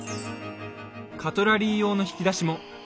カトラリー用の引き出しも。